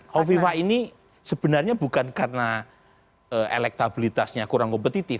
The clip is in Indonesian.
hovifah ini sebenarnya bukan karena elektabilitasnya kurang kompetitif